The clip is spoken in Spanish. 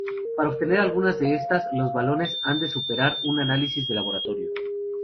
Para obtener alguna de estas, los balones han de superar un análisis de laboratorio.